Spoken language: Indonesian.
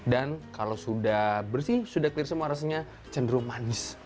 dan kalau sudah bersih sudah clear semua rasanya cenderung manis